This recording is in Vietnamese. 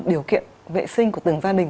điều kiện vệ sinh của từng gia đình